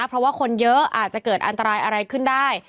เพราะว่าคนเยอะอาจจะเกิดอันตรายอะไรขึ้นได้